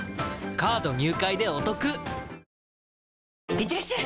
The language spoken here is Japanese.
いってらっしゃい！